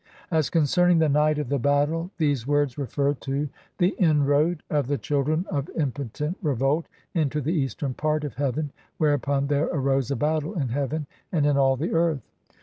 As concerning the night of the battle [these words refer to] the inroad [of the children of impotent revolt] into the eastern part of heaven, whereupon there arose a battle in heaven and in all the earth.